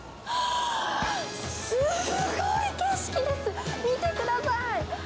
すごい景色です、見てください。